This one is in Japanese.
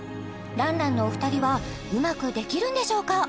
爛々のお二人はうまくできるんでしょうか？